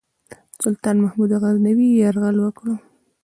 سلطان محمود غزنوي یرغل وکړ.